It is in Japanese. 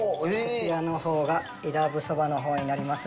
こちらのほうが伊良部そばになります。